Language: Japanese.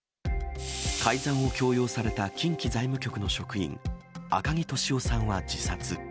改ざんを強要された近畿財務局の職員、赤木俊夫さんは自殺。